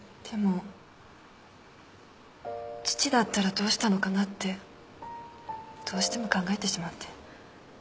でも父だったらどうしたのかなってどうしても考えてしまって。